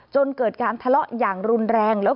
จนเกิดการทะเลาะอย่างรุนแรง